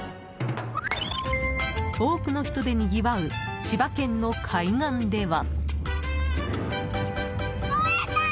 多くの人でにぎわう千葉県の海岸では。